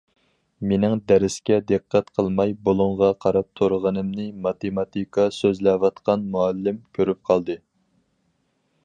مېنىڭ دەرسكە دىققەت قىلماي بۇلۇڭغا قاراپ تۇرغىنىمنى ماتېماتىكا سۆزلەۋاتقان مۇئەللىم كۆرۈپ قالدى.